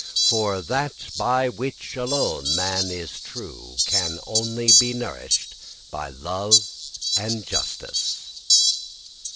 For that by which alone man is true can only be nourished by love and justice.